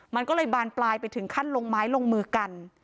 มันก็เลยบานปลายไปถึงขั้นลงไม้ลงมือกัน